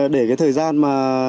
để cái thời gian mà